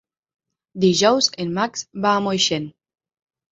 Dijous en Max va a Moixent.